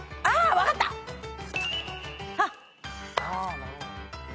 あっ！